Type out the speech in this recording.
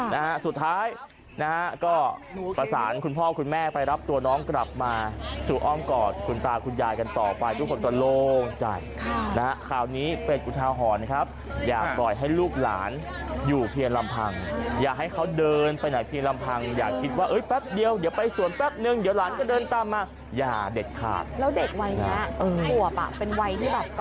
นะฮะสุดท้ายนะฮะก็ประสานคุณพ่อคุณแม่ไปรับตัวน้องกลับมาสู่อ้อมกอดคุณตาคุณยายกันต่อไปทุกคนก็ลงจัดนะครับคราวนี้เป็ดกุธาหรณ์ครับอยากปล่อยให้ลูกหลานอยู่เพียรรมพังอยากให้เขาเดินไปไหนเพียรรมพังอยากคิดว่าเอ้ยแป๊บเดียวเดี๋ยวไปสวนแป๊บหนึ่งเดี๋ยวหลานก็เดินตามมาอย่าเด็ดขาดแล้วเด็ก